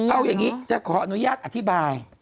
เอาอย่างนี้จะขออนุญาตอธิบาย